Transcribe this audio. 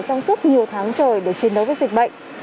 trong suốt nhiều tháng trời để chiến đấu với dịch bệnh